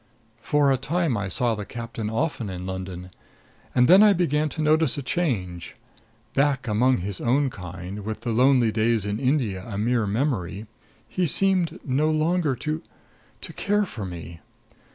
"For a time I saw the captain often in London; and then I began to notice a change. Back among his own kind, with the lonely days in India a mere memory he seemed no longer to to care for me.